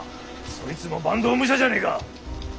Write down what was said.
そいつも坂東武者じゃねえか。